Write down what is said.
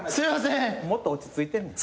もっと落ち着いてんねん。